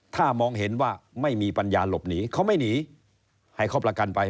ถ้ามองเห็นว่าไม่มีปัญญาหลบหนีเขาไม่หนีให้เขาประกันไป